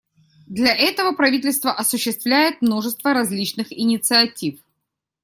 Для этого правительство осуществляет множество различных инициатив.